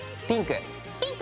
ピンク！